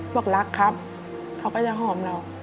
บอกรักครับเขาก็จะหอมเรา